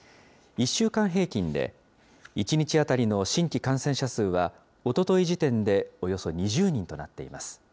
１週間平均で１日当たりの新規感染者数は、おととい時点でおよそ２０人となっています。